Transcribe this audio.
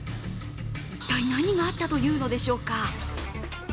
一体、何があったというのでしょうか。